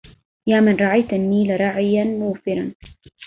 يا من رعيت النيل رعي موفر